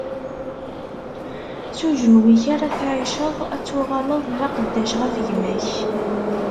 S ujenwi-k ara tɛiceḍ, ad tuɣaleḍ d aqeddac ɣef gma-k.